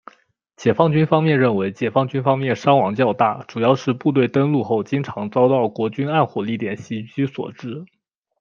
解放军方面认为解放军方面伤亡较大主要是部队登陆后经常遭到国军暗火力点袭击所致。